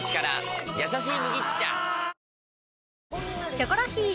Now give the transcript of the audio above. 『キョコロヒー』